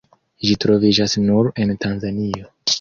Ĝi troviĝas nur en Tanzanio.